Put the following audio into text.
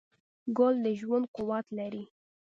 ګل د ژوند قوت لري.